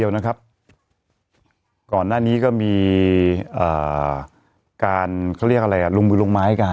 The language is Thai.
เดี๋ยวนะครับก่อนหน้านี้ก็มีการเขาเรียกอะไรอ่ะลงมือลงไม้กัน